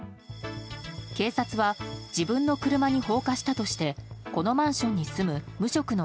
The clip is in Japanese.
警察は自分の車に放火したとしてこのマンションに住む無職の